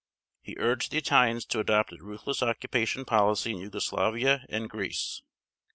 He urged the Italians to adopt a ruthless occupation policy in Yugoslavia and Greece.